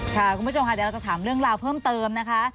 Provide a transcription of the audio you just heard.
คุณผู้ชมค่ะเดี๋ยวเราจะถามเรื่องราวเพิ่มเติมนะคะ